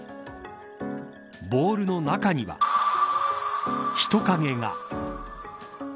ボールの中には人影が。